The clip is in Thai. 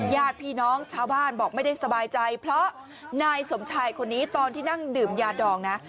ญาติพี่น้องชาวบ้านบอกไม่ได้สบายใจเพราะนายสมชายคนนี้ตอนที่นั่งดื่มยาดองนะ